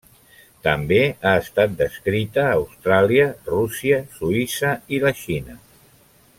També ha estat descrita a Austràlia, Rússia, Suïssa i la Xina.